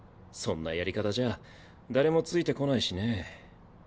そんなやり方じゃ誰もついてこないしね。